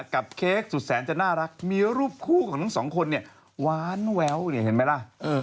กับเค้กสุดแสนจะน่ารักเมียรูปคู่ของทั้งสองคนหวานแววเห็นไหมล่ะ